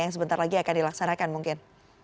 yang sebentar lagi akan dilaksanakan mungkin